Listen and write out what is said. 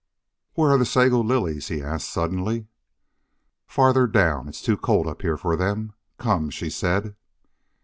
"Where are the sago lilies?" he asked, suddenly. "Farther down. It's too cold up here for them. Come," she said.